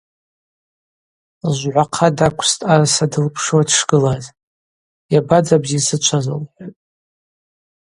Лжвгӏвахъа даквстӏ арса дылпшуа дшгылаз: Йабадза бзи сычваз,— лхӏватӏ.